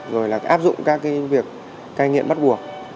rồi áp dụng các cái việc cai nghiện bắt buộc